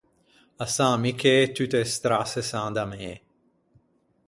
À San Michê, tutte e strasse san d’amê.